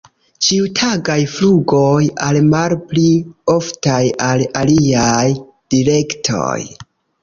Ĉiutagaj flugoj al malpli oftaj al aliaj direktoj.